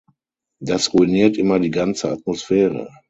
Das ruiniert immer die ganze Atmosphäre.